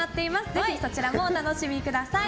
ぜひそちらもお楽しみください。